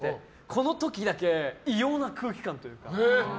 この時だけ異様な空気感というか。